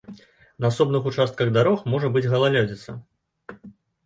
На асобных участках дарог можа быць галалёдзіца.